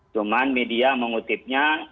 cuman media mengutipnya